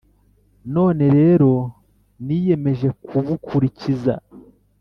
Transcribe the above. None rero niyemeje kubukurikiza,